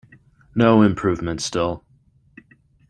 No improvement still.